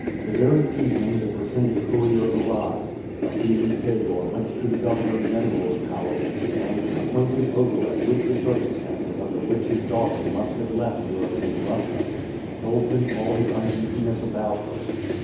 The very evening the pretended courier arrived, Wassili Fedor went to the governor general's palace and, acquainting Ogareff with the circumstances under which his daughter must have left European Russia, told him all his uneasiness about her.